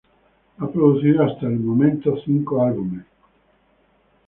Han producido hasta el momento cinco álbumes.